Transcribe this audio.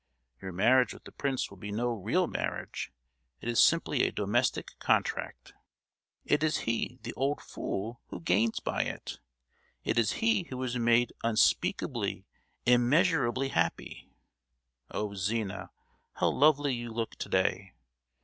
Your marriage with the prince will be no real marriage; it is simply a domestic contract. It is he, the old fool, who gains by it. It is he who is made unspeakably, immeasurably happy. Oh! Zina, how lovely you look to day.